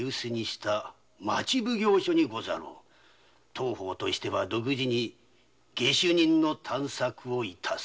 当方としては独自に下手人の探索をいたす。